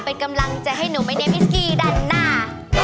เป็นกำลังจะให้หนูไม่ได้มิสกีดันหน้า